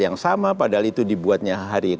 yang sama padahal itu dibuatnya hari